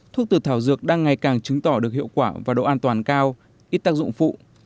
thuốc từ thảo dược đang ngày càng chứng tỏ được hiệu quả và độ an toàn cao ít tác dụng phụ